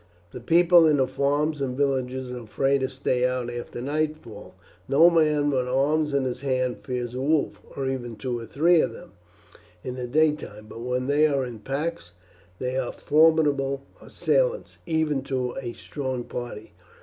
The people in the farms and villages are afraid to stay out after nightfall. No man with arms in his hands fears a wolf, or even two or three of them, in the daytime; but when they are in packs they are formidable assailants, even to a strong party.